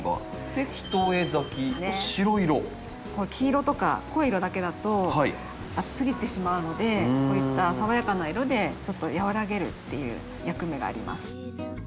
黄色とか濃い色だけだと暑すぎてしまうのでこういった爽やかな色でちょっと和らげるっていう役目があります。